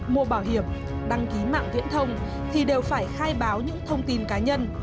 mua bảo hiểm đăng ký mạng viễn thông thì đều phải khai báo những thông tin cá nhân